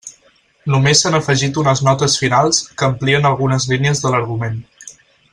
Només s'han afegit unes notes finals, que amplien algunes línies de l'argument.